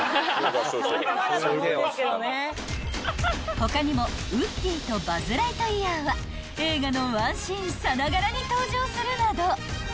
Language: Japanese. ［他にもウッディとバズ・ライトイヤーは映画のワンシーンさながらに登場するなど］